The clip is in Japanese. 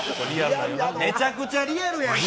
めちゃくちゃリアルやんけ。